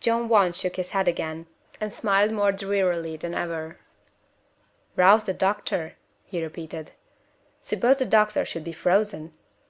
John Want shook his head again, and smiled more drearily than ever. "Rouse the doctor?" he repeated. "Suppose the doctor should be frozen?